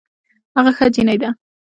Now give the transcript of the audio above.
هغه ښه جينۍ ده